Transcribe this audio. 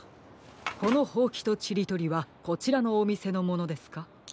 このほうきとちりとりはこちらのおみせのものですか？